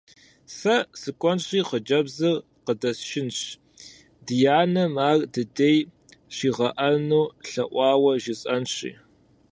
Сэ сыкӏуэнщи, хъыджэбзыр къыдэсшынщ, ди анэм ар дыдей щигъэӀэну лъэӀуауэ жысӏэнщи.